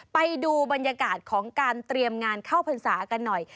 ไปดูบรรยากาศของการเตรียมงานเข้าพรรษากันหน่อย